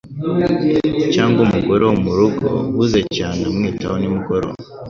Cyangwa umugore wo murugo uhuze cyane amwitaho nimugoroba: